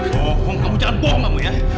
bocong kamu jangan bohong kamu ya